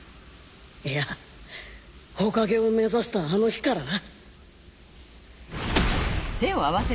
いや火影を目指したあの日からな。